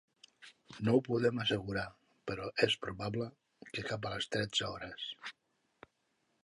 No ho podem assegurar, però és probable que cap a les tretze hores.